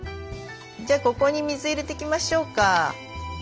じゃあここに水入れていきましょうか。